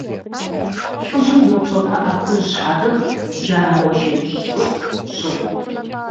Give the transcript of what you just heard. ЛӀыжьым упщӀэ пыӀэ хужь щхьэрыгът, джанэ-гъуэншэдж щӀыху щыгът.